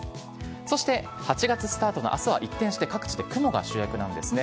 そして、８月スタートのあすは一転して各地で雲が主役なんですね。